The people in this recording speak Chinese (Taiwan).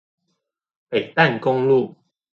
北淡公路